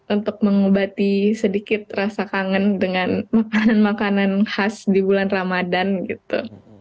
untuk mengembati sedikit rasa kangen dengan makanan makanan khas di bulan ramadan gitu